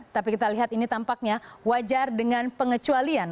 tapi kita lihat ini tampaknya wajar dengan pengecualian